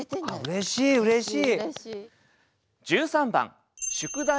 うれしいうれしい。